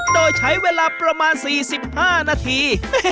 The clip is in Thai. โดยใช้เวลาประมาณ๔๕นาที